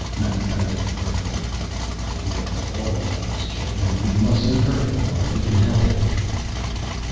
Mapfarity growled, "We are all God's children, and we mustn't hurt anyone if we can help it."